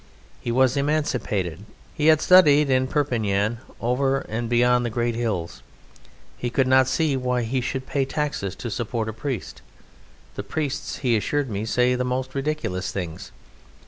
He was emancipated, he had studied in Perpignan, over and beyond the great hills. He could not see why he should pay taxes to support a priest. "The priests" he assured me, "say the most ridiculous things.